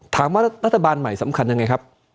รัฐบาลใหม่สำคัญยังไงครับ